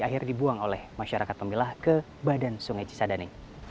akhirnya dibuang oleh masyarakat pemilah ke badan sungai cisadane